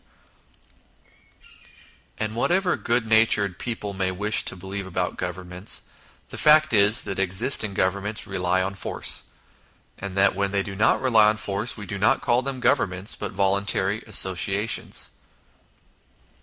INTRODUCTION n And whatever good natured people may wish to believe about Governments, the fact is that existing Governments rely on force, and that when they do not rely on force we do not call them Governments, but voluntary associations.